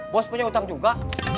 bos punya utang juga